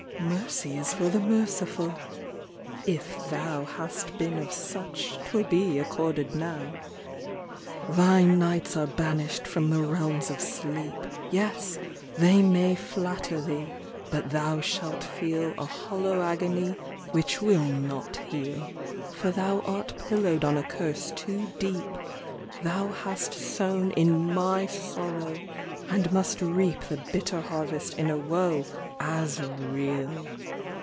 Mercy is for the merciful! if thou Hast been of such, 'twill be accorded now. Thy nights are banished from the realms of sleep: Yes! they may flatter thee, but thou shall feel A hollow agony which will not heal, For thou art pillowed on a curse too deep; Thou hast sown in my sorrow, and must reap The bitter harvest in a woe as real!